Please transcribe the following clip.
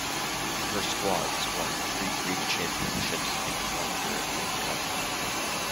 Her squads won three Greek Championships and one European Cup.